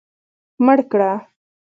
مړ کړه.